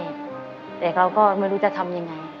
แต่เราก็ไม่รู้จะทำยังไง